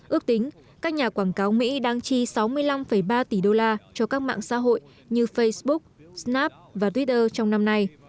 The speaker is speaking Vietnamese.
ước tính các nhà quảng cáo mỹ đang chi sáu mươi năm ba tỷ đô la cho các mạng xã hội như facebook snap và twitter trong năm nay